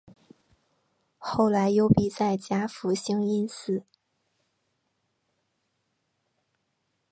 后来幽闭在甲府兴因寺。